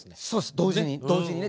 同時に同時にね。